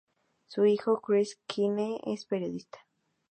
Su hijo, Chris Kline, es periodista.